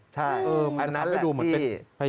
ใช่อันนั้นแหละที่